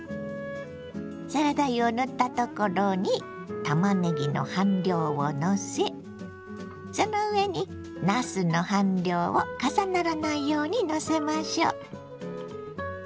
サラダ油を塗ったところにたまねぎの半量をのせその上になすの半量を重ならないようにのせましょう。